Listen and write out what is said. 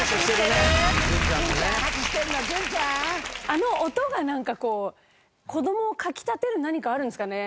あの音がなんかこう子どもをかき立てる何かあるんですかね？